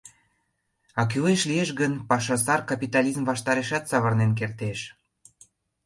А кӱлеш лиеш гын, паша сар капитализм ваштарешат савырнен кертеш.